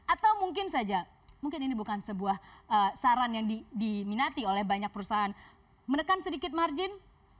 atau mungkin saja mungkin ini bukan sebuah saran yang diminati oleh banyak perusahaan menekan sedikit margin